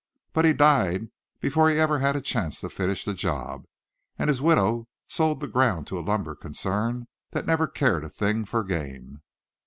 But he died before he ever had a chance to finish the job; and his widow sold the ground to a lumber concern, that never cared a thing for game.